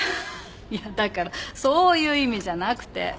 いやだからそういう意味じゃなくて。